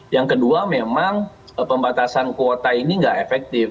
yang kedua memang pembatasan kuota ini nggak efektif